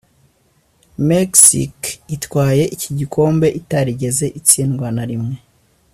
Mexique itwaye iki gikombe itarigeze itsindwa na rimwe